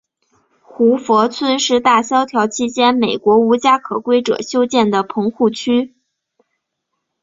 胡佛村是大萧条期间美国无家可归者修建的棚户区。